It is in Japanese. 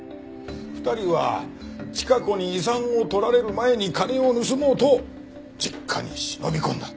２人はチカ子に遺産を取られる前に金を盗もうと実家に忍び込んだ。